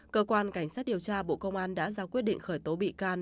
cơ quan cảnh sát điều tra bộ công an đã ra quyết định khởi tố bị can